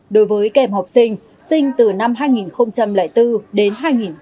đối với kèm học sinh sinh từ năm hai nghìn bốn đến hai nghìn tám